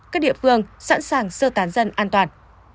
các địa phương sẵn sàng sơ tán dân an toàn